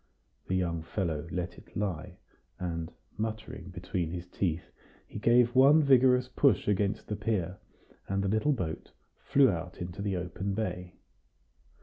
The young fellow let it lie, and, muttering between his teeth, he gave one vigorous push against the pier, and the little boat flew out into the open bay.